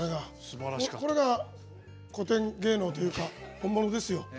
これが、古典芸能というか本物ですよ。